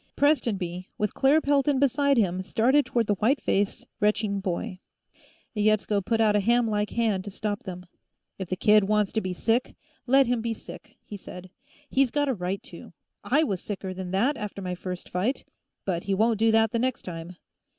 Prestonby, with Claire Pelton beside him, started toward the white faced, retching boy. Yetsko put out a hamlike hand to stop them. "If the kid wants to be sick, let him be sick," he said. "He's got a right to. I was sicker'n that, after my first fight. But he won't do that the next time."